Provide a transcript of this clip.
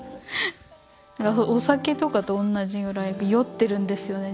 お酒とかと同じぐらい酔ってるんですよね